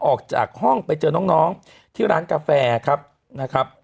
ออกจากห้องไปเจอน้องที่ร้านกาแฟครับนะครับ